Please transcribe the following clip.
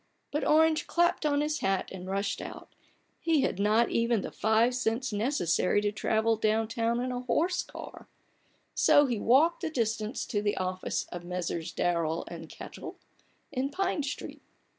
But Orange clapped on his hat and rushed out. He had not even the five cents necessary to 26 A BOOK OF BARGAINS. travel down town in a horse car, so he walked the distance to the office of Messrs. Daroll and Kettel, in Pine Street.